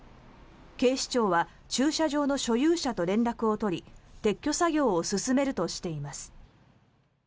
警視庁は駐車場の所有者と連絡を取り撤去作業を進めるとしています。